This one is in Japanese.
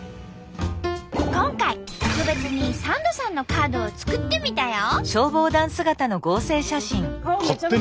今回特別にサンドさんのカードを作ってみたよ！